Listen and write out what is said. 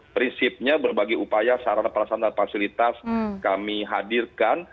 prinsipnya berbagai upaya sarana perasaan dan fasilitas kami hadirkan